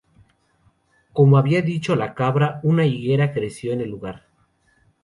Como había dicho la cabra, una higuera creció en el lugar.